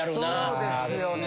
そうですよね。